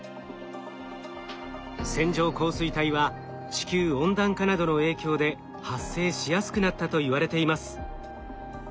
線状降水帯は地球温暖化などの影響で発生しやすくなったといわれています。